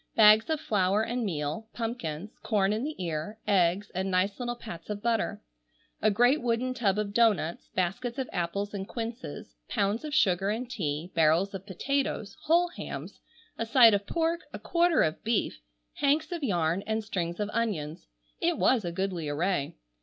Bags of flour and meal, pumpkins, corn in the ear, eggs, and nice little pats of butter. A great wooden tub of doughnuts, baskets of apples and quinces, pounds of sugar and tea, barrels of potatoes, whole hams, a side of pork, a quarter of beef, hanks of yarn, and strings of onions. It was a goodly array.